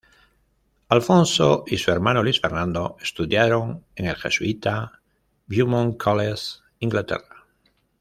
Alfonso y su hermano Luis Fernando estudiaron en el jesuita Beaumont College, Inglaterra.